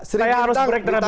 saya harus break tenaga dulu